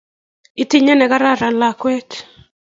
Ityeni negararan lakwet